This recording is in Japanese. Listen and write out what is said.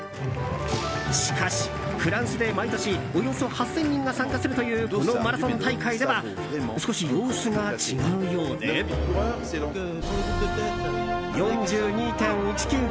しかし、フランスで毎年およそ８０００人が参加するというこのマラソン大会では少し様子が違うようで。４２．１９５